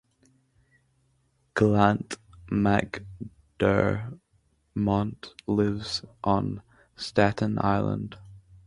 Galt Macdermot lives on Staten Island.